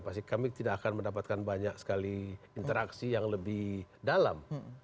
pasti kami tidak akan mendapatkan banyak sekali interaksi yang lebih dalam